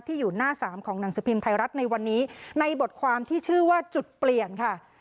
อยู่หน้าสามของหนังสือพิมพ์ไทยรัฐในวันนี้ในบทความที่ชื่อว่าจุดเปลี่ยนค่ะ